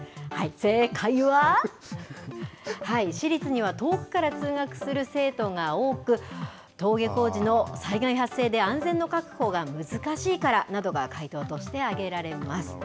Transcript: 正解は、私立には遠くから通学する生徒が多く、登下校時の災害発生で安全の確保が難しいからなどが回答として挙げられます。